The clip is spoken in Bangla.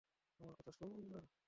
আমার কথা শুনুন না?